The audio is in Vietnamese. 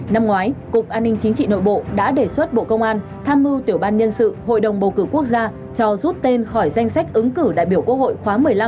năm ngoái cục an ninh chính trị nội bộ đã đề xuất bộ công an tham mưu tiểu ban nhân sự hội đồng bầu cử quốc gia cho rút tên khỏi danh sách ứng cử đại biểu quốc hội khóa một mươi năm